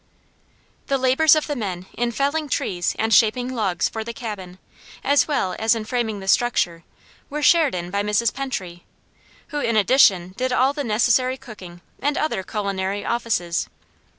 The labors of the men in felling trees and shaping logs for the cabin, as well as in framing the structure, were shared in by Mrs. Pentry, who in addition did all the necessary cooking and other culinary offices.